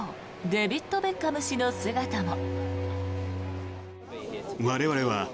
デビッド・ベッカム氏の姿も。